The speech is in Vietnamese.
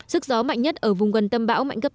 sức gió mạnh nhất ở vùng gần tâm bão mạnh cấp tám